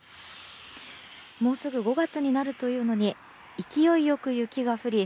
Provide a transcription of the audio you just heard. もうすぐ５月になるというのに勢いよく雪が降り